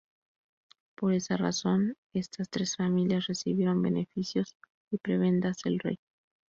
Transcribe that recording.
Por esa razón, estas tres familias recibieron beneficios y prebendas del rey.